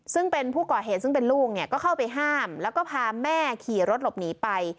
ซึ่งเป็นผู้ก่อเหตุซึ่งเป็นลูกเนี่ยก็เข้าไปห้ามแล้วก็พาแม่ขี่รถหลบหนีไป